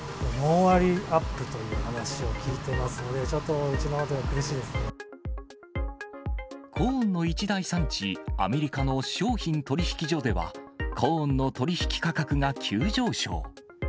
４割アップという話を聞いてますので、ちょっと、コーンの一大産地、アメリカの商品取引所では、コーンの取り引き価格が急上昇。